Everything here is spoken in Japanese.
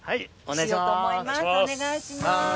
はいお願いします。